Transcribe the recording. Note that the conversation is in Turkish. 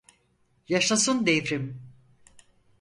Yaşasın devrim!